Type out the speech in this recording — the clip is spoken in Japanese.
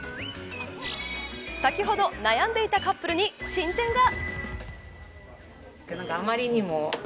先ほど悩んでいたカップルに進展が。